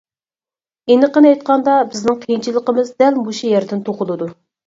ئېنىقىنى ئېيتقاندا، بىزنىڭ قىيىنچىلىقىمىز دەل مۇشۇ يەردىن تۇغۇلىدۇ.